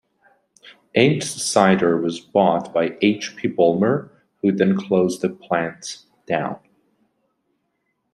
Inch's Cider was bought by H. P. Bulmer, who then closed the plant down.